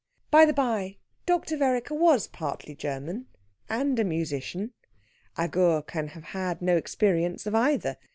By the bye, Dr. Vereker was partly German, and a musician. Agur can have had no experience of either.